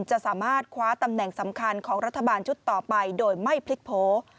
จะสามารถคว้าตำแหน่งสำคัญของรัฐบาลชุดต่อไปโดยไม่พลิกโพ